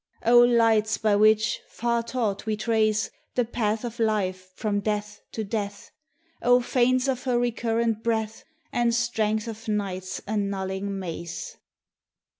O lights by which, far taught, we trace The path of Life from death to death! O fanes of her recurrent breath, And strength of Night's annulling mace